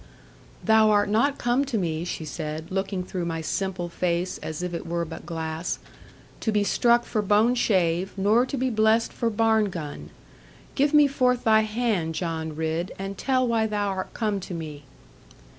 'Thou art not come to me,' she said, looking through my simple face, as if it were but glass, 'to be struck for bone shave, nor to be blessed for barn gun. Give me forth thy hand, John Ridd; and tell why thou art come to me.'